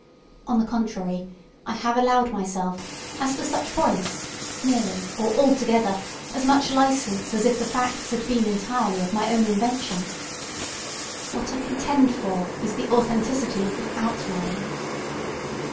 On the contrary, I have allowed myself, as to such points, nearly, or altogether, as much license as if the facts had been entirely of my own invention. What I contend for is the authenticity of the outline.